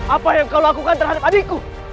apa yang kau lakukan terhadap adikku